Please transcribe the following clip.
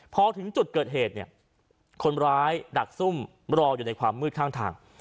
พอถึงจุดเกิดเหตุเนี่ยคนร้ายดักซุ่มรออยู่ในความมืดข้างทาง